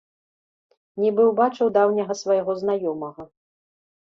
Нібы ўбачыў даўняга свайго знаёмага.